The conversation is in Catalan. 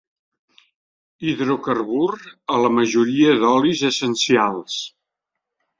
Hidrocarbur a la majoria d'olis essencials.